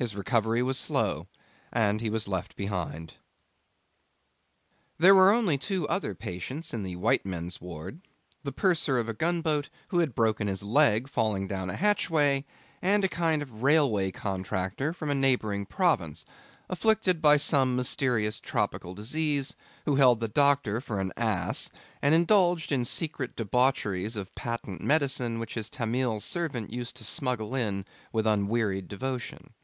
His recovery was slow, and he was left behind. There were only two other patients in the white men's ward: the purser of a gunboat, who had broken his leg falling down a hatchway; and a kind of railway contractor from a neighbouring province, afflicted by some mysterious tropical disease, who held the doctor for an ass, and indulged in secret debaucheries of patent medicine which his Tamil servant used to smuggle in with unwearied devotion.